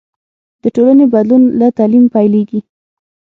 د ټولنې بدلون له تعلیم پیلېږي.